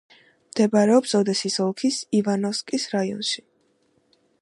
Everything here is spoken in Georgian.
მდებარეობს ოდესის ოლქის ივანოვკის რაიონში.